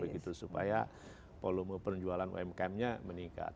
begitu supaya volume penjualan umkm nya meningkat